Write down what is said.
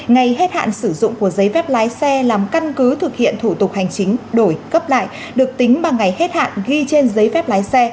ngày hết hạn sử dụng của giấy phép lái xe làm căn cứ thực hiện thủ tục hành chính đổi cấp lại được tính bằng ngày hết hạn ghi trên giấy phép lái xe cộng thêm thời gian giãn cách xã hội của địa phương